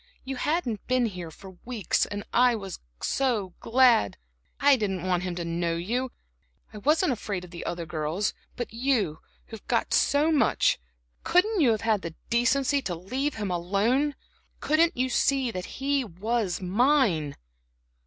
You hadn't been here for weeks, and I was glad. I didn't want him to know you I wasn't afraid of the other girls. But you who've got so much couldn't you have had the decency to leave him alone? Couldn't you see that he was mine?"